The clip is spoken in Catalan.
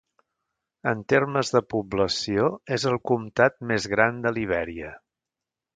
En termes de població, és el comtat més gran de Libèria.